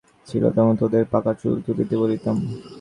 যখন বয়স হয় নাই তখন সে-সব ছিল, তখন তোদের পাকা চুল তুলিতে বলিতাম।